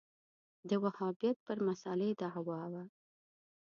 دا وهابیت پر مسألې دعوا وه